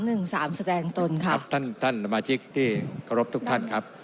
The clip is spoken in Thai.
หนึ่งสามแสดงตนครับครับท่านท่านสมาชิกที่เคารพทุกท่านครับ